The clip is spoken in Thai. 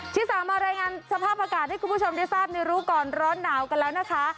ที่สามมารายงานสภาพอากาศให้คุณผู้ชมได้ทราบในรู้ก่อนร้อนหนาวกันแล้วนะคะ